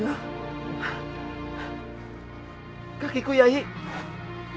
teriakan aku bisa menembak